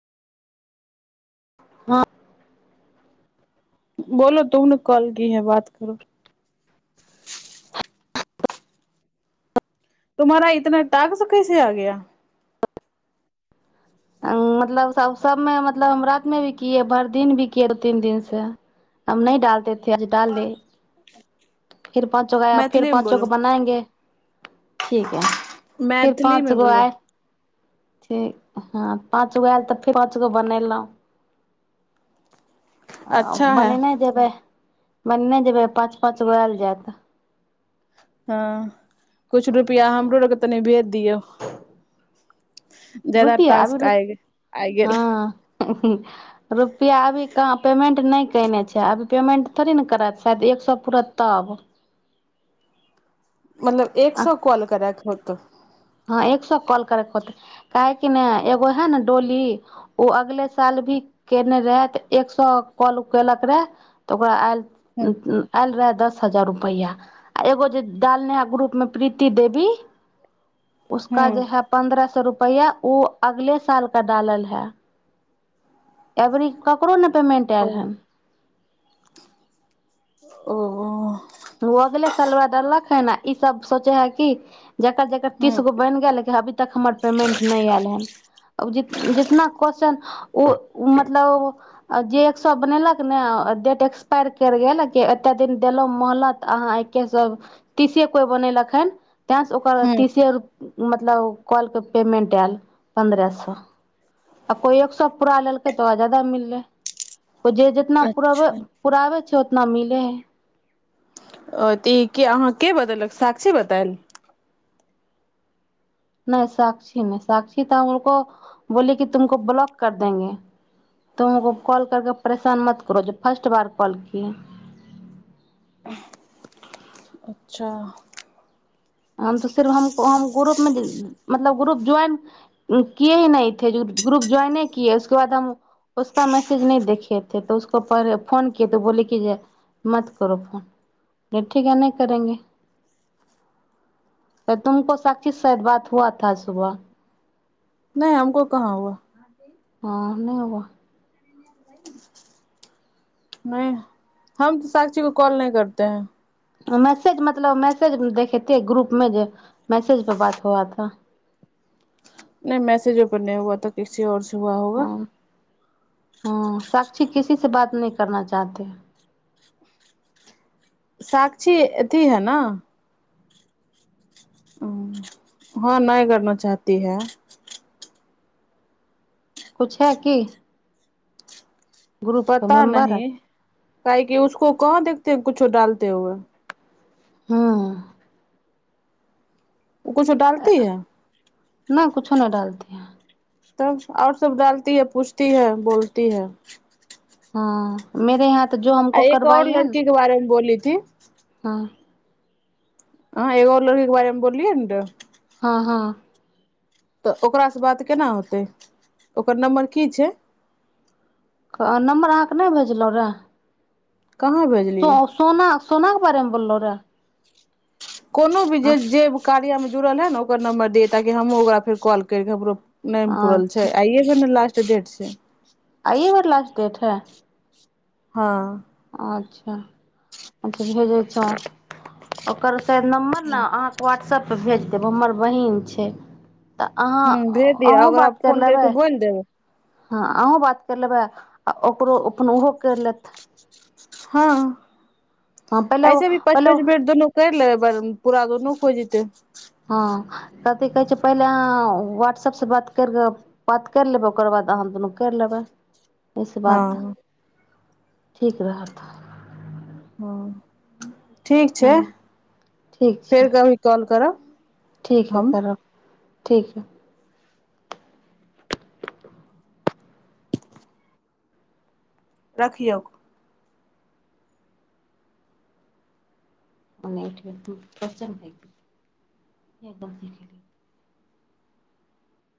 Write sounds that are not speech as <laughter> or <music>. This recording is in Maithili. हँ बोलो तुमने कॉल की है बात करो तुम्हहारारा इतना टाकस कैसे आ गया मतलब सबमे मतलब हम रात मे भी किए भरि दिन भी किए दू तीन दिन से हम नहि डालतेथे आज डाल ले फिर पाँचो आा फिर मैथिली मे पाँचो को बोलो बनाएंगे ठीक है फिर मैथिली पाँच मे गो बोलो आय छै हँ पाँच गो आयल तऽ फेर पाँच गो बनेलहुँ आ अच्छा है बनेनाइ जेबै मनेने जेबै पाँच पाँच गो आयल जायत हँ किछु रुपैआ हमरो आरके तनि भेज दियौ जदा रुपैआ टॉक्स अभी आइ आइ गेल हँ रुपैआ अभी कहाँ पेमेंट नहि कने छै अभी पेमेंट थोड़े ने करत शायद एक सए पूुरत तब मतलब एक सए क्वॉल करै कुत्त हँ एक सए कॉल करेके होते काह कि ने एगो हे ने डोली ओ अगले साल भी केने रहे तऽ एक सए कॉल केलक रहे तऽ ओकरा आयल एल रह दस हजार रुपैआ आ एगो जे डाल नेहा ग्रुप मे प्रीति देवी उसका हूँ जे है पन्द्रह सए रुपआ रुपैा ओ अगले साल का डालल है अबर ई ककरो ने पेमन्ट ओ आएल हन ओ ओ अगले सलवार देललक है ने ईसभ सोचे है कि जकर जेकर हूँ तीस गो बनि गेलेकिन अभी तक हमर पेमेंट नहि आयल हन जितना केश्चन ओ मतलब जे एक सए बनेलक ने डेट एक्सपायर कर गेल एते दिन देलो मोहलत अहाँ एकके सब तीसे कोइ बनेलकख हन तैंस ओकर हूँ तीस मतलब कलके पेमेंट आयल पन्द्रह सए आ कोइ एक सए पूरा लेलकै तऽ ओकरा जादा मिललै जे जेितना पराब अच्छा पुराबे छै नमिले ओ तऽ ई अहाँ के बतेलक साक्षी बतायल नहि सक्षी नहि साक्षी तऽको बोल कि तुमको ब्लॉक कर देेंगे तुको कॉल करके परेशान मत करो ज फर्स्ट बार कॉल क अच्छा त सिफ हमको हम ग्रुपमे मतलब ग्रुप ज्वाइन किए ही नहि े ग्रुप ज्वाइने किए उसके बाद हम उसका मैसेज नहि देखेथे तऽ उसको पहिे फोन किए तऽ बोले कि जे मत करो फोन ठीक ह नहि करेंगे से तुमको साक्षी शाय बात हुआ थ सुबह नहि हमको कहाँ हुआ ह नहि हुबा नहि हम तऽ साक्षी को कॉल नहि करते है मैसेज मतलब मैसेज देखेतै ग्रुप मे जे मैसेज पे बात हुआथ नहि मैसजो ब नहि हुआ त किसी और से हुआ होगा हुँ साक्षी किसी से बात नहीं करना चाहती है साक्षी अथी है न ह हँ नहि करना चाहती है किछु है की पता नहि है काह कि उसको कहाँ देखत है कुछो डालते हुए हँ कुछो डालती है नहि डालती है तब आओर सब डालती है पूछती है बोलती है हँ मेेरे हाथ आ एक आऔर लड़की के बारेमे बोलीथी हाँ ह एगो आओर लड़कीे बारेमे बोललियै ने रऽ हां हाँ तऽ ओकरासँ बात केना होतै ओकर नम्बर की छै नम्बर अहाँकेँ नहि भेजलहुँ रहए कहाँ भेजलियै सोनाक के बारेमे बोलो रहे कोनो भी जे अ- जे कार्य मे जुड़ल ह न ओकर नंबर दिय ताकि हमहुँ फेर कॉल करिय कें ओकरो नहि पुरल छै अच्छा आइय सँ लासट तऽ देट छै जेठ है हुँ अच्छा अच्छा भेजै छ ओकर नमबर अहाँकें व्टसप त भेज देबै हमर बहीन छै तऽ अहाँ ह भेज दिअ अहूँ ओकरा बात करि फोन कर लेबै कऽ बोलि देब हँ अहूँ बात करि लेबै आ ओकरो अपन ओहो करि लेत हँ हँ पहिले ऐसे भी पाँच पहिले पाँच मिनट दुोनू कर ले बल्कि पूरा दो न खोजतै हँ कथि कहै छै पहिले अहाँ व्ट्सअपसँ बात करि कऽ बात करि लेबै ओकर बाद अहाँ दुन्नू करि लेबै एहिसँ हँ बात ठीक रहत हुम् ठीक हँ छै ठीक छै फेर कभी कॉल करब ठीक ह हम करब ठीक य रखियौ च भदम <inaudible>